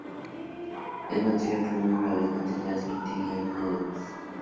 Es materia prima de fabricantes de aceite y harina de pez.